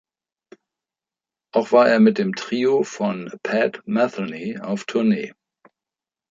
Auch war er mit dem Trio von Pat Metheny auf Tournee.